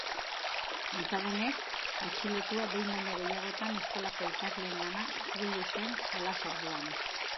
Antza denez, atxilotua behin baino gehiagotan eskolako ikasleengana hurbildu zen jolas-orduan.